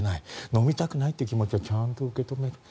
飲みたくないという気持ちをちゃんと受け止める。